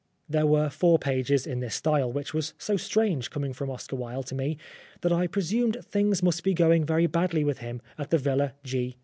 There were four pages in this style, which was so strange, coming from Oscar Wilde to me, that I presumed things must be going very badly with him at the Villa G